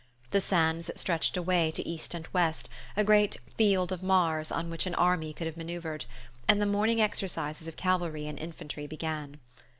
The sands stretched away to east and west, a great "field of Mars" on which an army could have manoeuvred; and the morning exercises of cavalry and infantry began.